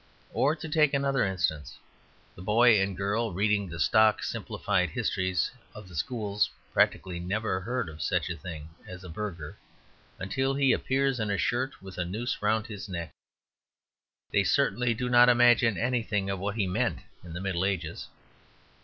Or, to take another instance, the boy and girl reading the stock simplified histories of the schools practically never heard of such a thing as a burgher, until he appears in a shirt with a noose round his neck. They certainly do not imagine anything of what he meant in the Middle Ages.